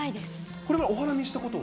これまでお花見したことは？